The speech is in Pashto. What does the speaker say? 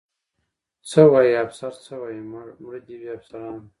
څه وایي؟ افسر څه وایي؟ مړه دې وي افسران.